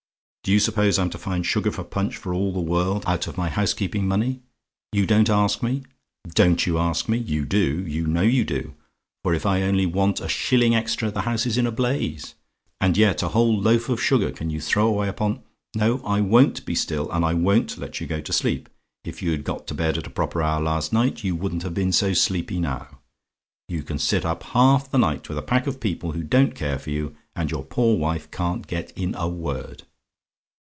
Do you suppose I'm to find sugar for punch for all the world out of my housekeeping money?" "YOU DON'T ASK ME? "Don't you ask me? You do; you know you do: for if I only want a shilling extra, the house is in a blaze. And yet a whole loaf of sugar can you throw away upon No, I WON'T be still; and I WON'T let you go to sleep. If you'd got to bed at a proper hour last night, you wouldn't have been so sleepy now. You can sit up half the night with a pack of people who don't care for you, and your poor wife can't get in a word!